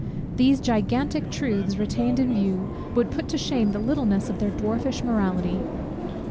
These gigantic truths retained in view, would put to shame the littleness of their dwarfish morality.